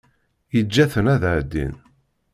Yeǧǧa-ten ad ɛeddin.